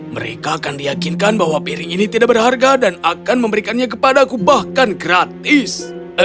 mereka akan diyakinkan bahwa piring ini tidak berharga dan akan memberikannya kepada aku bahkan gratis